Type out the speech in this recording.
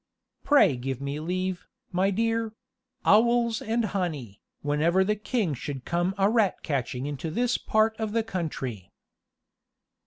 "Pray give me leave, my dear owls and honey, whenever the king should come a rat catching into this part of the country."